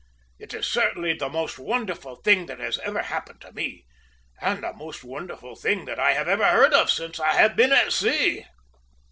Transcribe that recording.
It is certainly the most wonderful thing that has ever happened to me, and the most wonderful thing that I have ever heard of since I have been at sea!"